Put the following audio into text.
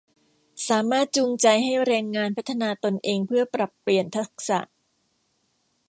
สามารถจูงใจให้แรงงานพัฒนาตนเองเพื่อปรับเปลี่ยนทักษะ